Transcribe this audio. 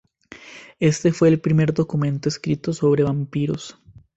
Este fue el primer documento escrito sobre vampiros.